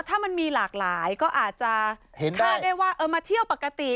ถ้ามันมีหลากหลายก็อาจจะเห็นค่าได้ว่ามาเที่ยวปกติ